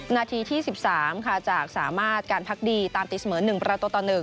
นาทีที่๑๓ค่ะจากสามารถการพักดีตามตีเสมอ๑ประตูต่อ๑